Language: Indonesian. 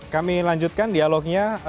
kami lanjutkan dialognya